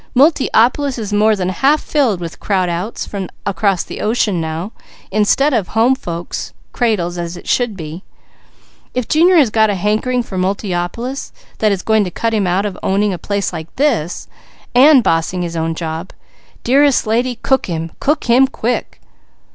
Multiopolis is more than half filled with crowd outs from across the ocean now, instead of home folks' cradles, as it should be. If Junior has got a hankering for Multiopolis that is going to cut him out of owning a place like this, and bossing his own job, dearest lady, cook him! Cook him quick!"